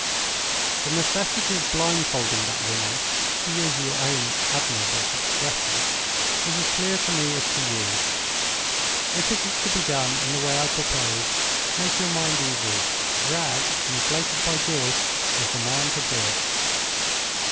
The necessity of blindfolding that woman (to use your own admirable expression) is as clear to me as to you. If it is to be done in the way I propose, make your mind easy—Wragge, inflated by Joyce, is the man to do it.